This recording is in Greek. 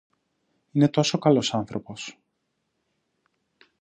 Είναι τόσο καλός άνθρωπος!